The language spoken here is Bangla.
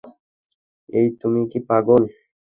এই, তুমি কি পাগল?